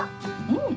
うん。